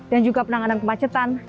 dan juga penanganan kemacetan